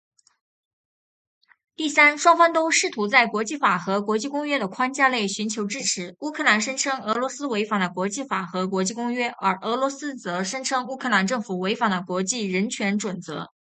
第三，双方都试图在国际法和国际公约的框架内寻求支持。乌克兰声称俄罗斯违反了国际法和国际公约，而俄罗斯则声称乌克兰政府违反了国际人权准则。